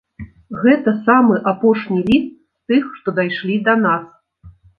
Гэта самы апошні ліст, з тых, што дайшлі да нас.